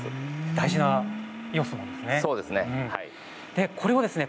大事な要素なんですね。